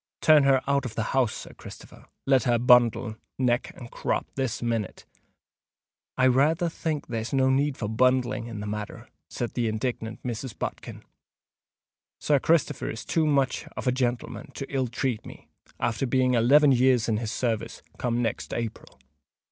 Turn her out of the house, Sir Christopher—let her bundle, neck and crop, this minute!" "I rayther think there's no need for bundling in the matter," said the indignant Mrs. Bodkin. "Sir Christopher is too much of a gentleman to ill treat me, after being eleven years in his service come next Aperil.